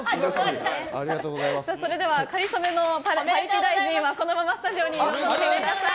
それではかりそめのパリピ大臣はこのままスタジオに残ってください。